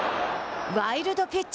ワイルドピッチ。